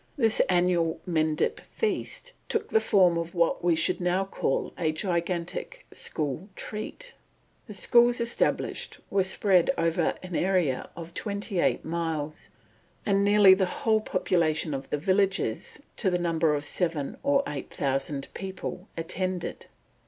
This annual "Mendip feast" took the form of what we should now call a gigantic school treat. The schools established were spread over an area of twenty eight miles, and nearly the whole population of the villages, to the number of seven or eight thousand people, attended.